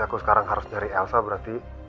aku sekarang harus dari elsa berarti